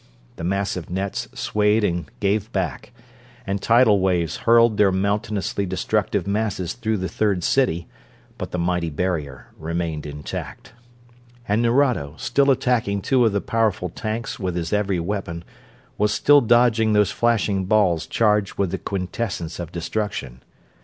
The massive nets swayed and gave back, and tidal waves hurled their mountainously destructive masses through the Third City, but the mighty barrier remained intact. And Nerado, still attacking two of the powerful tanks with his every weapon, was still dodging those flashing balls charged with the quintessence of destruction.